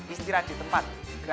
istirahat di tempat